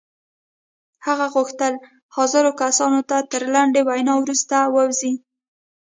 هغه غوښتل حاضرو کسانو ته تر لنډې وينا وروسته ووځي.